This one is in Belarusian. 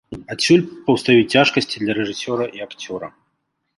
Адсюль паўстаюць цяжкасці для рэжысёра і акцёра.